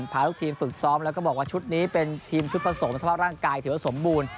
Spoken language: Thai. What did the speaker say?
พาลูกทีมฝึกซ้อมแล้วก็บอกว่าชุดนี้เป็นทีมชุดผสมสภาพร่างกายถือว่าสมบูรณ์